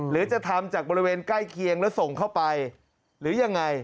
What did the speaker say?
หรือจะทำจากบริเวณใกล้เคียงแล้วส่งเข้าไปหรือยังไง